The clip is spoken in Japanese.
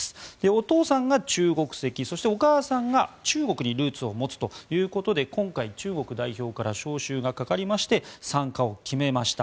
お父さんが中国籍そしてお母さんが中国にルーツを持つということで今回、中国代表から招集がかかりまして参加を決めました。